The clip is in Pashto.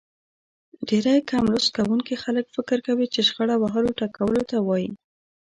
ډېری کم لوست کوونکي خلک فکر کوي چې شخړه وهلو ټکولو ته وايي.